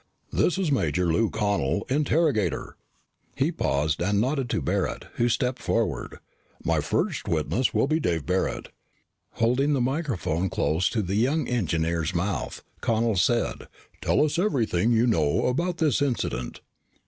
"This is Major Lou Connel, interrogator!" He paused and nodded to Barret who stepped forward. "My first witness will be Dave Barret." Holding the microphone close to the young engineer's mouth, Connel said, "Tell us everything you know of this incident."